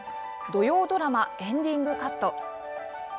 土曜ドラマ「エンディングカット」。